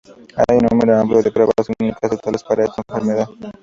Hay un número amplio de pruebas clínicas actuales para esta enfermedad.